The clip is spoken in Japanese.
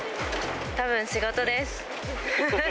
たぶん仕事です。